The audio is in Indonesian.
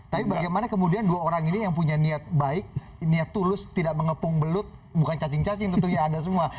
tapi bagaimana kemudian dua orang ini yang punya niat baik niat tulus tidak mengepung belut bukan cacing cacing tentunya anda semua